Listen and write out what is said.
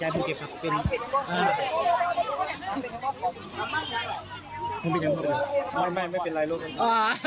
โทรแมนไม่เป็นไรรู้สึก